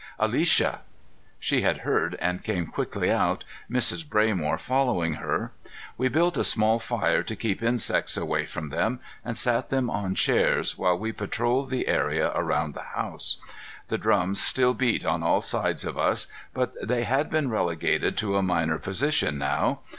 Alicia!" She had heard and came quickly out, Mrs. Braymore following her. We built a small fire to keep insects away from them, and sat them on chairs while we patroled the area about the house. The drums still beat on all sides of us, but they had been relegated to a minor position now.